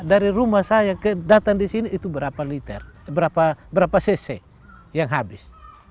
dari rumah saya datang di sini itu berapa liter berapa cc yang habis